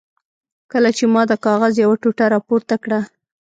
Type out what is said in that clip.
کله چې ما د کاغذ یوه ټوټه را پورته کړه.